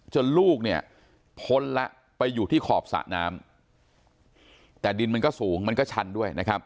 จนลูกพ้นละไปอยู่ที่ขอบสระน้ำแต่ดินมันก็สูงมันก็ชันด้วย